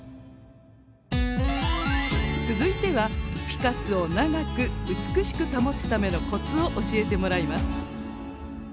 続いてはフィカスを長く美しく保つためのコツを教えてもらいます。